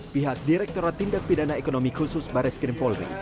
pihak direkturat tindak pidana ekonomi khusus baris krimpolri